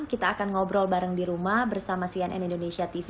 kita akan ngobrol bareng di rumah bersama cnn indonesia tv